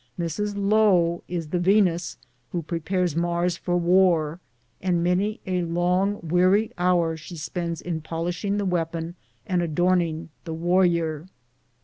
Mrs. " Lo " is the Yenus who prepares Mars for war, and many a long weary hour she spends in polishing the weapon and adorning the warrior.